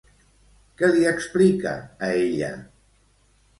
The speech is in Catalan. Què li explica a ella?